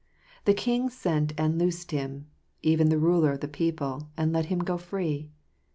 The king sent and loosed him, Even the ruler of the people. And let him go free.